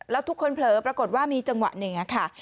แล้วทุกคนเผลอปรากฏว่ามีจังหวะหนึ่งค่ะ